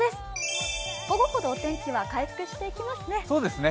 午後ほどお天気は回復していきますね。